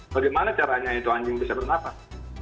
bagaimana caranya anjing itu bisa bernapas